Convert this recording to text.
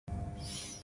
No audio.